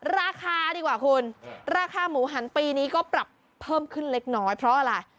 ราคาดีกว่าคุณราคาหมูหันปีนี้ก็ปรับเพิ่มขึ้นเล็กน้อยเพราะอะไร